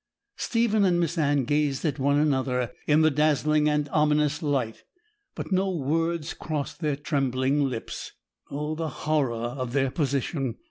Stephen and Miss Anne gazed at one another in the dazzling and ominous light, but no words crossed their trembling lips. Oh, the horror of their position!